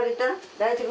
大丈夫？